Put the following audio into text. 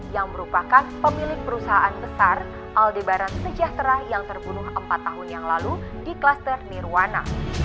yang merupakan pemilik perusahaan besar aldebaran sejahtera yang terbunuh empat tahun yang lalu di kluster nirwana